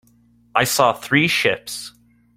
I saw three ships.